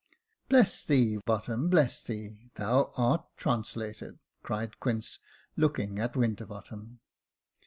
*' Bless thee. Bottom, bless thee ; thou art translated," cried Quince, looking at Winterbottom.